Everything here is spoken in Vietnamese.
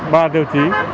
ba tiêu chí